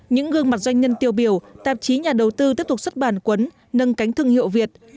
những gương mặt doanh nhân tiêu biểu tạp chí nhà đầu tư tiếp tục xuất bản cuốn nâng cánh thương hiệu việt